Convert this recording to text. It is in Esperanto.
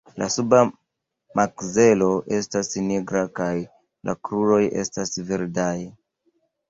La suba makzelo estas nigra, kaj la kruroj estas verdaj.